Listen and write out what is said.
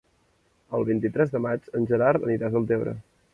El vint-i-tres de maig en Gerard anirà a Deltebre.